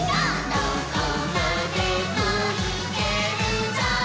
「どこまでもいけるぞ！」